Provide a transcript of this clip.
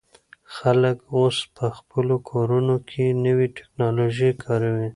خلک اوس په خپلو کورونو کې نوې ټیکنالوژي کاروي.